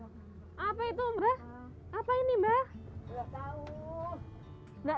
oh apa itu mbak